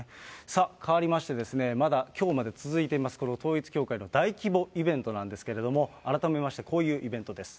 さあ、かわりまして、まだきょうまで続いてます、この統一教会の大規模イベントなんですけれども、改めまして、こういうイベントです。